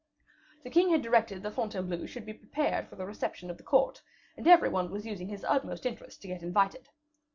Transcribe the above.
The king had directed that Fontainebleau should be prepared for the reception of the court, and every one was using his utmost interest to get invited.